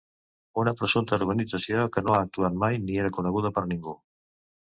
Una presumpta organització que no ha actuat mai ni era coneguda per ningú.